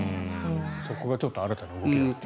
そこがちょっと新たな動きと。